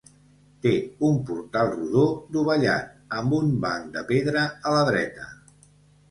Té un portal rodó, dovellat, amb un banc de pedra a la dreta.